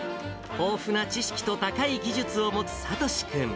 豊富な知識と高い技術を持つ聡志君。